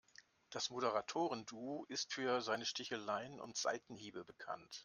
Das Moderatoren-Duo ist für seine Sticheleien und Seitenhiebe bekannt.